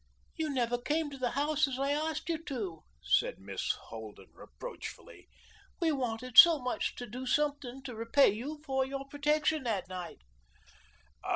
"You never came to the house as I asked you to," said Miss Holden reproachfully. "We wanted so much to do something to repay you for your protection that night."